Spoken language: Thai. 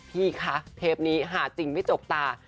พี่คะเทปนี้หาจริงไม่จกตา